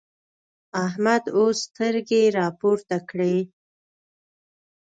احمد اوس سترګې راپورته کړې.